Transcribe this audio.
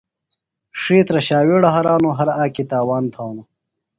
ڇھیترہ شاویڑہ ہرانوۡ، ہر آکی تاوان تھانوۡ